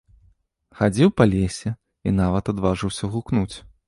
Хадзіў па лесе і нават адважыўся гукнуць.